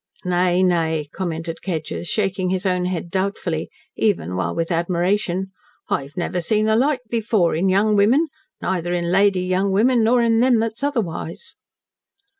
"Nay! Nay!" commented Kedgers, shaking his own head doubtfully, even while with admiration. "I've never seen the like before in young women neither in lady young women nor in them that's otherwise."